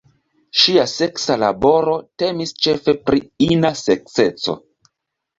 Ŝia seksa laboro temis ĉefe pri ina sekseco.